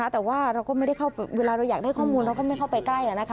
แต่ว่าเวลาเราอยากได้ข้อมูลเราก็ไม่ได้เข้าไปใกล้